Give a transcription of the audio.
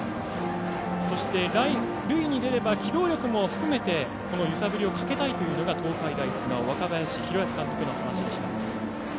塁に出れば機動力も含めてこの揺さぶりをかけたいというのが東海大菅生若林弘泰監督の話でした。